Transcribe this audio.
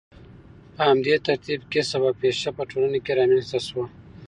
په همدې ترتیب کسب او پیشه په ټولنه کې رامنځته شوه.